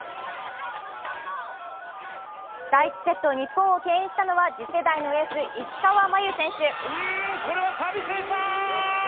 第１セット、日本をけん引したのは次世代のエース、石川真佑選手。